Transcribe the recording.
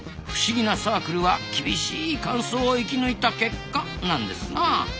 不思議なサークルは厳しい乾燥を生き抜いた結果なんですな。